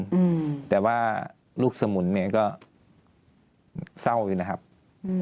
อืมแต่ว่าลูกสมุนเนี้ยก็เศร้าอยู่นะครับอืม